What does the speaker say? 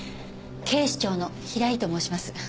警視庁の平井と申します。